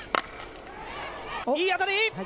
いい当たり！